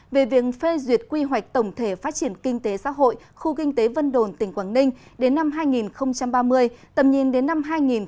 về việc phê duyệt quy hoạch tổng thể phát triển kinh tế xã hội khu kinh tế vân đồn tỉnh quảng ninh đến năm hai nghìn ba mươi tầm nhìn đến năm hai nghìn bốn mươi năm